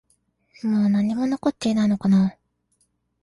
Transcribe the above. もう何も残っていないのかな？